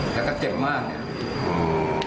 แล้วเค้าเจ็บมาก